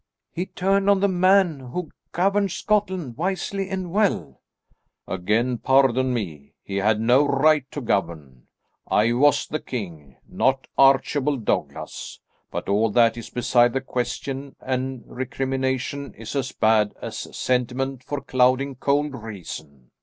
"He turned on the man who governed Scotland wisely and well." "Again pardon me; he had no right to govern. I was the king, not Archibald Douglas. But all that is beside the question, and recrimination is as bad as sentiment for clouding cold reason.